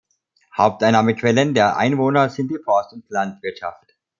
Haupteinnahmequellen der Einwohner sind die Forst- und Landwirtschaft.